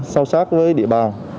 sau sát với địa bàn